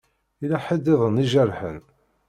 Yella ḥedd-iḍen ijerḥen?